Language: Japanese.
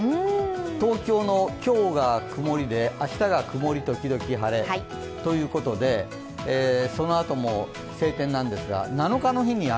東京の今日が曇りで明日が曇り時々晴れということで、ということで、そのあとも晴天なんですが７日の日に雨。